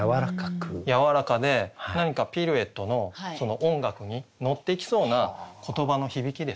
やわらかで何かピルエットのその音楽に乗っていきそうな言葉の響きですよね。